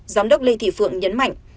giám đốc lê thị phượng nhấn mạnh